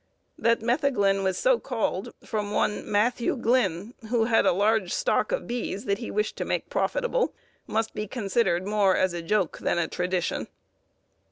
That metheglin was so called from one Matthew Glinn, who had a large stock of bees that he wished to make profitable, must be considered more as a joke than a tradition.